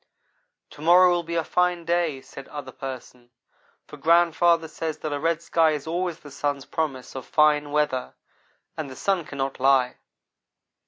"To morrow will be a fine day," said Other person, "for grandfather says that a red sky is always the sun's promise of fine weather, and the sun cannot lie."